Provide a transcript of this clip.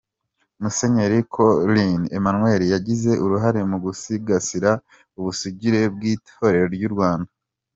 Musenyeri Kolini Emmanuel: Yagize uruhare mu gusigasira ubusugire bw’Itorero ry’u Rwanda.